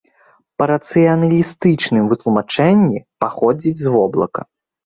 Па рацыяналістычным вытлумачэнні, паходзіць з воблака.